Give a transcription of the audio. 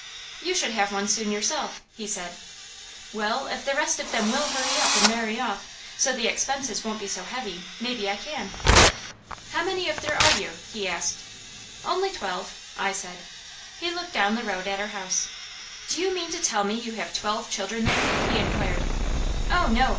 "You should have one soon, yourself," he said. "Well, if the rest of them will hurry up and marry off, so the expenses won't be so heavy, maybe I can." "How many of you are there?" he asked. "Only twelve," I said. He looked down the road at our house. "Do you mean to tell me you have twelve children there?" he inquired. "Oh no!"